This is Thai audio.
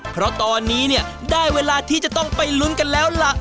เพราะตอนนี้เนี่ยได้เวลาที่จะต้องไปลุ้นกันแล้วล่ะ